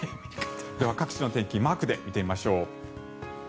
各地の天気マークで見てみましょう。